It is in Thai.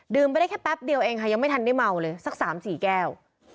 ไปได้แค่แป๊บเดียวเองค่ะยังไม่ทันได้เมาเลยสัก๓๔แก้ว